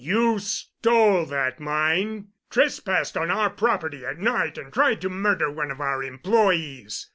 You stole that mine—trespassed on our property at night and tried to murder one of our employes.